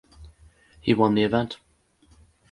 He won the event.